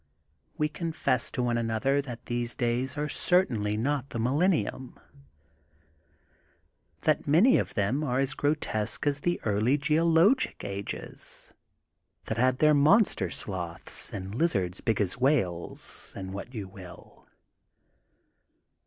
We confess to one another that these days are certainly not the millennium, that many of them are as grotesque as the early geo logic ages, that had their monster sloths and lizards big as whales, and what you will.